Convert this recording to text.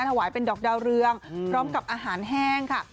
ถวายเป็นดอกดาวเรืองพร้อมกับอาหารแห้งค่ะ